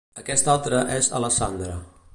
Aquesta altra és Alessandra.